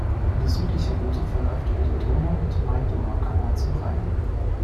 Die südliche Route verläuft über die Donau und den Main-Donau-Kanal zum Rhein.